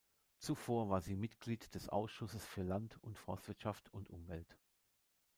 Zuvor war sie Mitglied des Ausschusses für Land- und Forstwirtschaft und Umwelt.